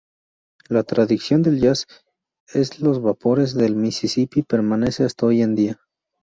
La tradición del jazz en los vapores del Misisipi permanece hasta hoy en día.